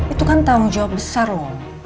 itu kan tanggung jawab besar loh